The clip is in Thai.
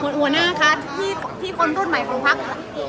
คุณหัวหน้าค่ะที่คนต้นใหม่ของภักดิ์